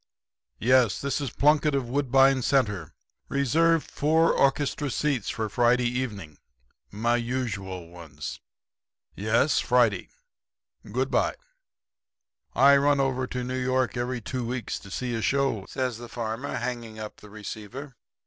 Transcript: Yes; this is Plunkett, of Woodbine Centre. Reserve four orchestra seats for Friday evening my usual ones. Yes; Friday good bye.' "'I run over to New York every two weeks to see a show,' says the farmer, hanging up the receiver.